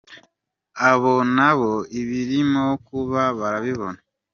Abo na bo, ibirimo kuba barabibona.